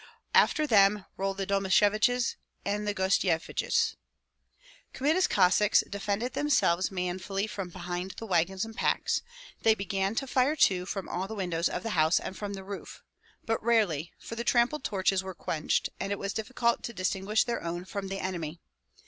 Alter them rolled the Domasheviches and the Gostsyeviches. Kmita's Cossacks defended themselves manfully from behind the wagons and packs; they began to fire too from all the windows of the house and from the roof, but rarely, for the trampled torches were quenched, and it was difficult to distinguish their own from the enemy.